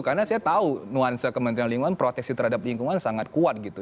karena saya tahu nuansa kementerian lingkungan proteksi terhadap lingkungan sangat kuat gitu